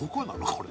これ」